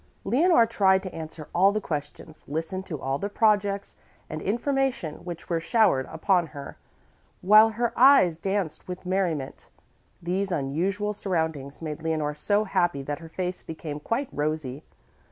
Leonore tried to answer all the questions, listen to all the projects and information which were showered upon her, while her eyes danced with merriment. These unusual surroundings made Leonore so happy that her face became quite rosy.